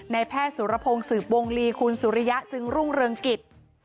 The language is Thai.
แพทย์สุรพงศ์สืบวงลีคุณสุริยะจึงรุ่งเรืองกิจ